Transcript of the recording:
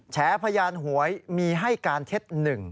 แฉพยานหวยมีให้การเท็จ๑